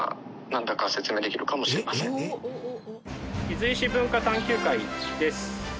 伊豆石文化探究会です。